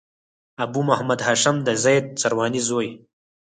ابو محمد هاشم د زيد سرواني زوی.